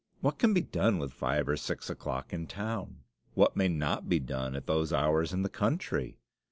What can be done with five or six o'clock in town? What may not be done at those hours in the country?